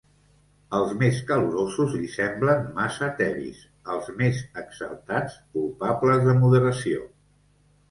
Els més calorosos li semblen massa tebis; els més exaltats, culpables de moderació.